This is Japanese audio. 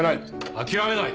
諦めない！